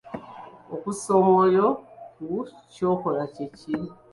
Okussa omwoyo ku ky'okola kye ki?